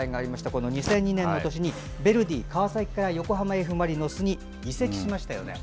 この２００２年の年にヴェルディ川崎から横浜Ｆ・マリノスに移籍しましたよね。